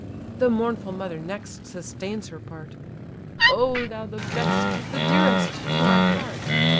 The mournful mother next sustains her part: "O thou, the best, the dearest to my heart!